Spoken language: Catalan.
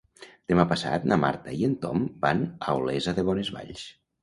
Demà passat na Marta i en Tom van a Olesa de Bonesvalls.